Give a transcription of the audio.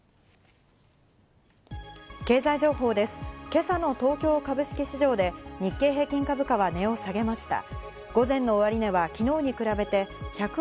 今朝の東京株式市場で日経平均株価は値を下げました。